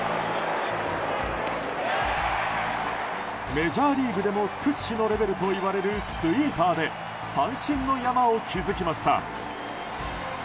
メジャーリーグでも屈指のレベルといわれるスイーパーで三振の山を築きました。